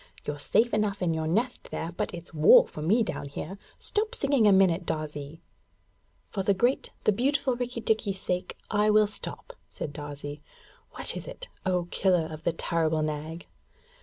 You're safe enough in your nest there, but it's war for me down here. Stop singing a minute, Darzee.' 'For the great, the beautiful Rikki tikki's sake I will stop,' said Darzee. 'What is it, O killer of the terrible Nag?'